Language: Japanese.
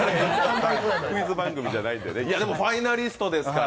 クイズ番組ではないですから。